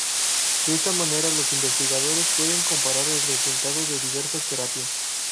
De esta manera, los investigadores pueden comparar el resultado de diversas terapias.